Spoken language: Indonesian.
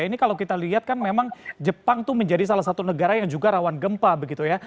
ini kalau kita lihat kan memang jepang itu menjadi salah satu negara yang juga rawan gempa begitu ya